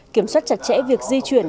kiểm soát chặt chẽ việc di chuyển